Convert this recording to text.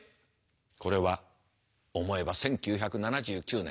これは思えば１９７９年。